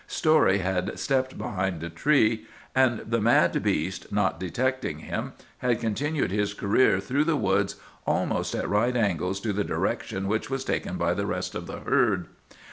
Story had stepped behind a tree; and the mad beast, not detecting him, had continued his career through the woods, almost at right angles to the direction which was taken by the rest of the herd.